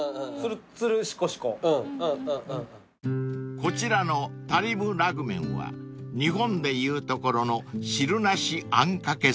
［こちらのタリムラグメンは日本でいうところの汁なしあんかけそば］